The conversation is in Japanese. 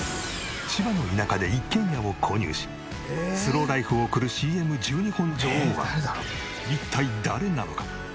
千葉の田舎で一軒家を購入しスローライフを送るＣＭ１２本女王は一体誰なのか？